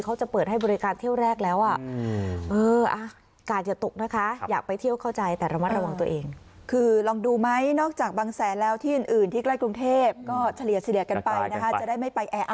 เขาจะเปิดให้บริการเที่ยวแรกแล้วอ่ะ